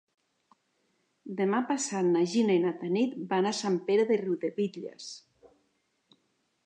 Demà passat na Gina i na Tanit van a Sant Pere de Riudebitlles.